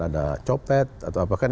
ada copet atau apakan